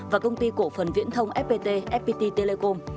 và công ty cổ phần viễn thông fpt fpt telecom